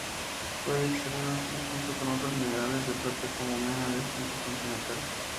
Puede extraerse junto con otros minerales de plata como mena de este importante metal.